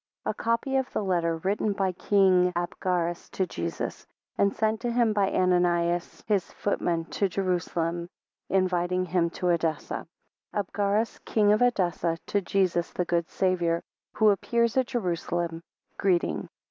A copy of a letter written by King Abgarus to Jesus; and sent to him by Ananius, his footman, to Jerusalem, 5 inviting him to Edessa. ABGARUS, king of Edessa, to Jesus the good Saviour, who appears at Jerusalem, greeting.